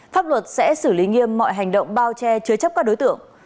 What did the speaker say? pháp luật sẽ xử lý nghiêm mọi hành động bao che chứa chấp các đối tượng